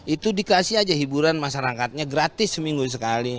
itu dikasih aja hiburan masyarakatnya gratis seminggu sekali